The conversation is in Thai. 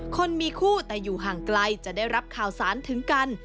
คนมีคู่แต่อยู่ห่างไกลจะได้รับข่าวสารถึงกัน